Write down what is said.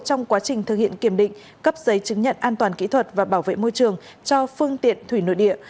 trong quá trình thực hiện kiểm định cấp giấy chứng nhận an toàn kỹ thuật và bảo vệ môi trường cho phương tiện thủy nội địa